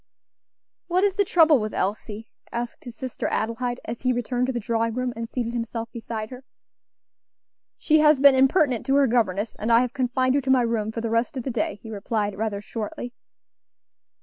"What is the trouble with Elsie?" asked his sister Adelaide, as he returned to the drawing room and seated himself beside her. "She has been impertinent to her governess, and I have confined her to my room for the rest of the day," he replied, rather shortly.